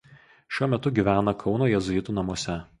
Šiuo metu gyvena Kauno jėzuitų namuose.